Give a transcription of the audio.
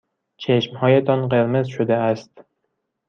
چشمهایتان قرمز شده است.